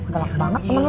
galak banget temen lo